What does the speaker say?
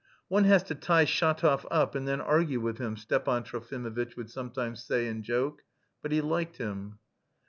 "One has to tie Shatov up and then argue with him," Stepan Trofimovitch would sometimes say in joke, but he liked him.